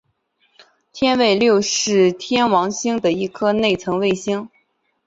天卫六是天王星的一颗内层卫星。